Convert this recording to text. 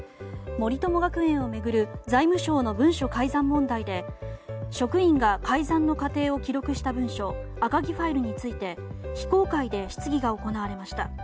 森友学園を巡る財務省の文書改ざん問題で職員が改ざんの過程を記録した文書赤木ファイルについて非公開で質疑が行われました。